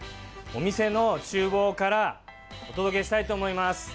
お店の厨房からお届けしたいと思います。